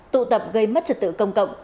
tụ tập gây mất trật tự công cộng